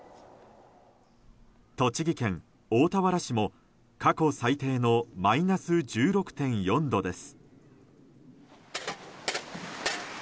栃木県大田原市も過去最低のマイナス１６．４度です。